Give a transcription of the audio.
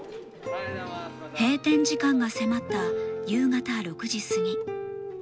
閉店時間が迫った夕方６時過ぎ。